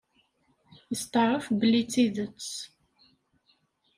Yesteɛref belli d tidet.